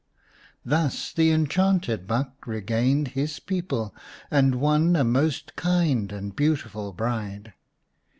Thus the enchanted buck regained his people, and won a most kind and beautiful bride.